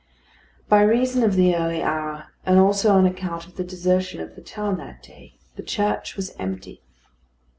By reason of the early hour, and also on account of the desertion of the town that day, the church was empty.